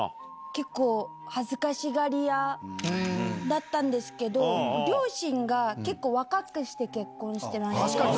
結構、恥ずかしがり屋だったんですけど、両親が結構、若くして結婚してま確かに。